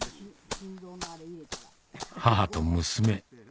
母と娘